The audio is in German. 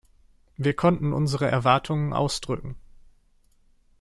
Wir konnten unsere Erwartungen ausdrücken.